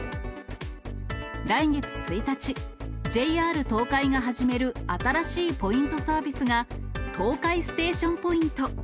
来月１日、ＪＲ東海が始める新しいポイントサービスが、東海ステーションポイント。